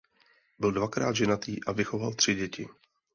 Byl dvakrát ženatý a vychoval tři děti.